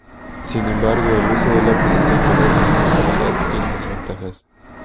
Sin embargo, el uso de lápices de color de menor calidad tiene sus ventajas.